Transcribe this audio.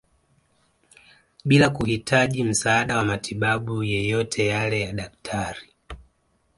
Bila kuhitaji msaada wa matibabu yeyote yale ya Daktari